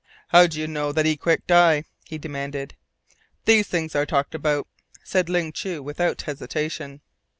"How do you know that he quick die?" he demanded. "These things are talked about," said Ling Chu without hesitation.